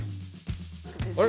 あれ？